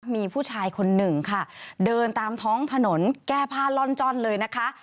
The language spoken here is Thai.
มีผู้ชายคนหนึ่งค่ะเดินตามท้องถนนแก้ผ้าล่อนจ้อนเลยนะคะ